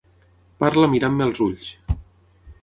Parla mirant-me al ulls.